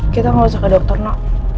kita gak usah ke dokter nak